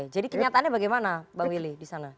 jadi kenyataannya bagaimana bang willy disana